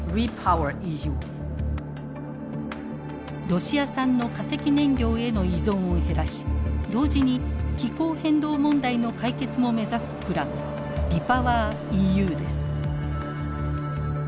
ロシア産の化石燃料への依存を減らし同時に気候変動問題の解決も目指すプランＲＥＰｏｗｅｒＥＵです。